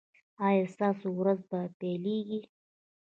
ایا ستاسو ورځ به پیلیږي؟